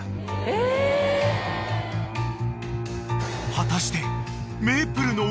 ［果たして］